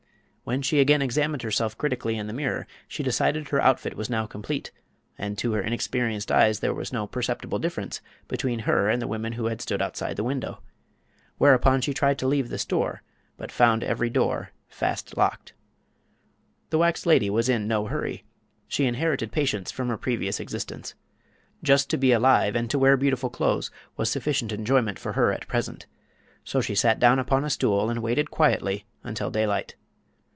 When she again examined herself critically in the mirror she decided her outfit was now complete, and to her inexperienced eyes there was no perceptible difference between her and the women who had stood outside the window. Whereupon she tried to leave the store, but found every door fast locked. The wax lady was in no hurry. She inherited patience from her previous existence. Just to be alive and to wear beautiful clothes was sufficient enjoyment for her at present. So she sat down upon a stool and waited quietly until daylight.